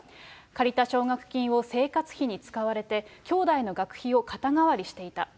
借りた奨学金を生活費に使われて、きょうだいの学費を肩代わりしていた。